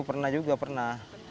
pernah juga pernah